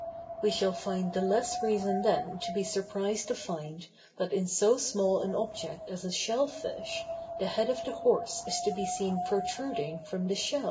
We shall find the less reason then to be surprised to find that in so small an object as a shell fish the head of the horse is to be seen protruding from the shell.